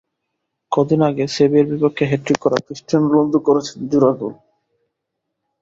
কদিন আগে সেভিয়ার বিপক্ষে হ্যাটট্রিক করা ক্রিস্টিয়ানো রোনালদো করেছেন জোড়া গোল।